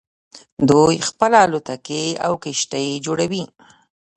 دوی خپله الوتکې او کښتۍ جوړوي.